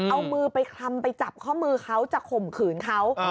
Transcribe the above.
เอามือไปคลำไปจับข้อมือเขาจะข่มขืนเขา